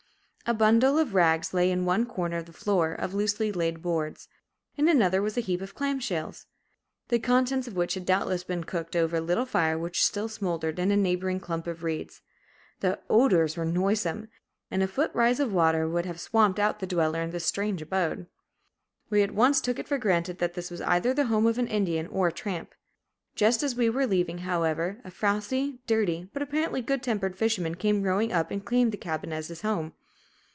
A bundle of rags lay in one corner of the floor of loosely laid boards; in another was a heap of clamshells, the contents of which had doubtless been cooked over a little fire which still smouldered in a neighboring clump of reeds. The odors were noisome, and a foot rise of water would have swamped out the dweller in this strange abode. We at once took it for granted that this was either the home of an Indian or a tramp. Just as we were leaving, however, a frowsy, dirty, but apparently good tempered fisherman came rowing up and claimed the cabin as his home.